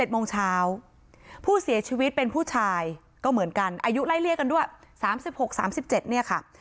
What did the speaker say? โมงเช้าผู้เสียชีวิตเป็นผู้ชายก็เหมือนกันอายุไล่เรียกกันด้วย๓๖๓๗เนี่ยค่ะ